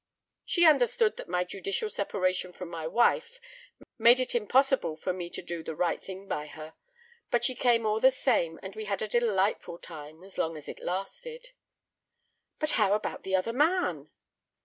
She understood that my judicial separation from my wife made it impossible for me to do the right thing by her—but she came all the same, and we had a delightful time, as long as it lasted." "But how about the other man?"